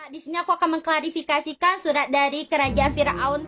di sini aku akan mengklarifikasikan surat dari kerajaan firaun ⁇